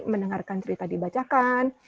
mendengarkan cerita dibacakan